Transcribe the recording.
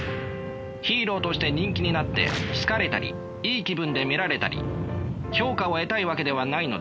ヒーローとして人気になって好かれたりいい気分で見られたり評価を得たいわけではないのだから。